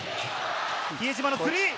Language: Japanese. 比江島のスリー。